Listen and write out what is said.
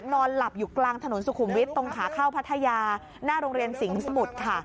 นอนหลับอยู่กลางถนนสุขุมวิทย์ตรงขาเข้าพัทยาหน้าโรงเรียนสิงห์สมุทรค่ะ